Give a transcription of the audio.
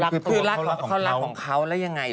คือรักของเขารักของเขาแล้วยังไง